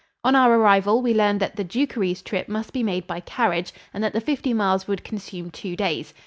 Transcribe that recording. On our arrival we learned that the Dukeries trip must be made by carriage and that the fifty miles would consume two days.